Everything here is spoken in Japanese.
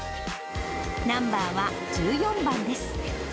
ナンバーは１４番です。